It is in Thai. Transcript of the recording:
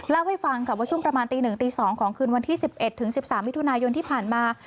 เล่าให้ฟังค่ะว่าช่วงประมาณตี๑ตี๒ของคืนวันที่๑๑ถึง๑๓มิถุนายนที่ผ่านมา